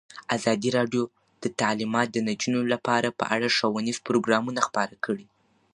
ازادي راډیو د تعلیمات د نجونو لپاره په اړه ښوونیز پروګرامونه خپاره کړي.